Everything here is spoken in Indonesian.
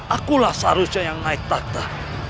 akulah seharusnya yang naik takta